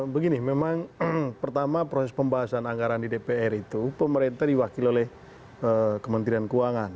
begini memang pertama proses pembahasan anggaran di dpr itu pemerintah diwakil oleh kementerian keuangan